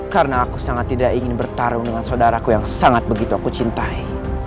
karena aku sangat tidak ingin bertarung dengan saudaraku yang sangat begitu aku cintai